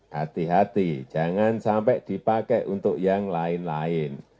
hati hati jangan sampai dipakai untuk yang lain lain